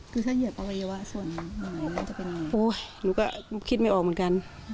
คือถ้าเหยียบเอาไว้ว่าส่วนหน่อยนั้นจะเป็นยังไงโอ้ยหนูก็คิดไม่ออกเหมือนกัน